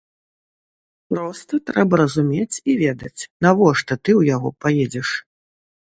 Проста трэба разумець і ведаць, навошта ты ў яго паедзеш.